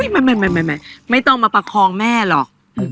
ไม่ต้องมาประคองแม่หรอก